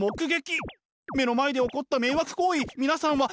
目の前で起こった迷惑行為皆さんはどうします？